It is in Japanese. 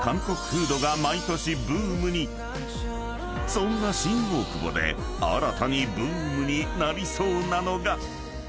［そんな新大久保で新たにブームになりそうなのが］